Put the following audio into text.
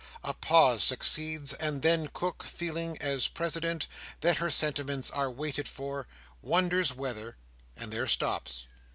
A pause succeeds; and then Cook, feeling, as president, that her sentiments are waited for, wonders whether—and there stops.